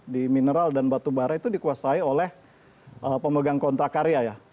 di mineral dan batu bara itu dikuasai oleh pemegang kontrak karya ya